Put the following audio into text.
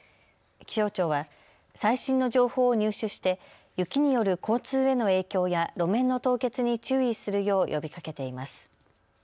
気象庁は最新の情報を入手して雪による交通への影響や路面の凍結に注意するよう呼びかけています。